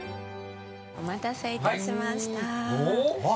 お待たせいたしました。